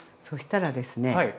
そしたらですね